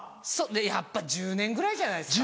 やっぱ１０年ぐらいじゃないですか？